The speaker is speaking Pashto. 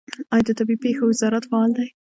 آیا د طبیعي پیښو وزارت فعال دی؟